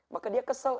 maka dia kesal